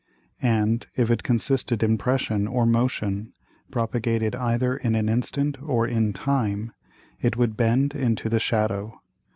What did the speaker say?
And if it consisted in Pression or Motion, propagated either in an instant or in time, it would bend into the Shadow.